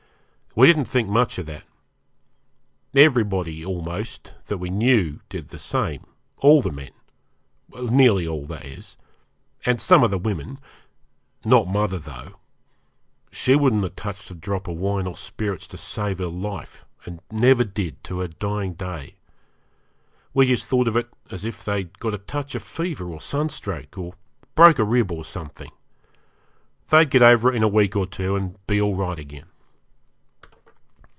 We didn't think much of that. Everybody, almost, that we knew did the same all the men nearly all, that is and some of the women not mother, though; she wouldn't have touched a drop of wine or spirits to save her life, and never did to her dying day. We just thought of it as if they'd got a touch of fever or sunstroke, or broke a rib or something. They'd get over it in a week or two, and be all right again.